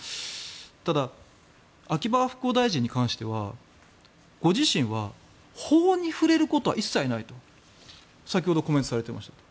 ただ、秋葉復興大臣に関してはご自身は、法に触れることは一切ないと先ほどコメントされていました。